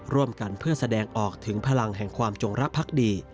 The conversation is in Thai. ร่วมกันเพื่อแสดงออกถึงพลังแห่งความจงรักภักดี